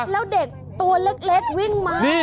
แล้วเด็กตัวเล็กวิ่งมา